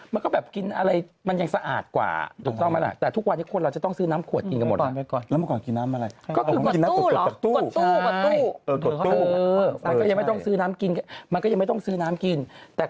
มันก็แบบกินอะไรมันยังสะอาดกว่าถูกต้องไหมล่ะ